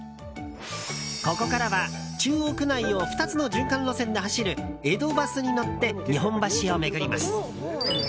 ここからは中央区内を２つの循環路線で走る江戸バスに乗って日本橋を巡ります。